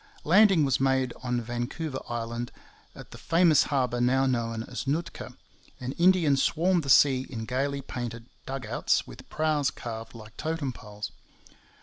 Landing was made on Vancouver Island at the famous harbour now known as Nootka; and Indians swarmed the sea in gaily painted dug outs with prows carved like totem poles.